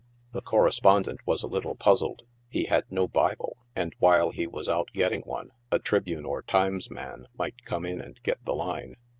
The correspondent was a little puzzled ; he had no Bible, and while he was out getting one, a Tribune or Times man might come in and get the line.